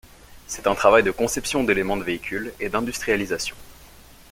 C’est un travail de conception d’éléments de véhicules et d’industrialisation.